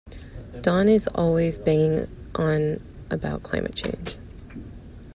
Don is always banging on about climate change.